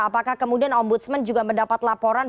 apakah kemudian ombudsman juga mendapat laporan